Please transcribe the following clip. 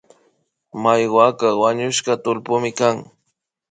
Maiwaka wañushka tullpuymi kan